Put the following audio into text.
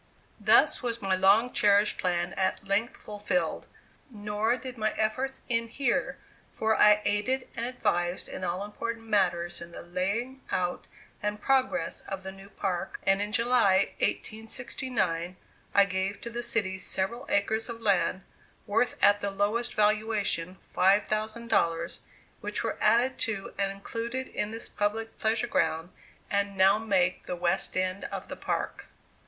Thus was my long cherished plan at length fulfilled; nor did my efforts end here, for I aided and advised in all important matters in the laying out and progress of the new park; and in July, 1869, I gave to the city several acres of land, worth at the lowest valuation $5,000, which were added to and included in this public pleasure ground, and now make the west end of the park.